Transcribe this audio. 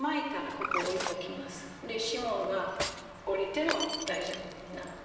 で霜が降りても大丈夫になって。